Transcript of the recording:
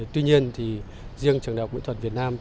tuy nhiên thì riêng trường đại học mỹ thuật việt nam